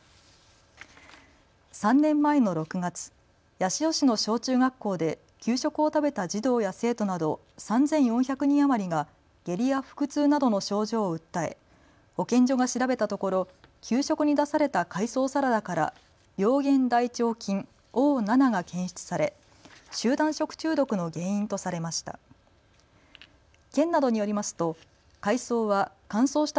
３年前の６月、八潮市の小中学校で給食を食べた児童や生徒など３４００人余りが下痢や腹痛などの症状を訴え保健所が調べたところ給食に出された海藻サラダから病原大腸菌Ｏ７が検出され集団食中毒の原因とされました。